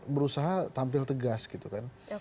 berusaha tampil tegas gitu kan